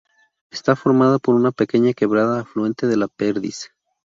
Está formada por una pequeña quebrada afluente de La Perdiz.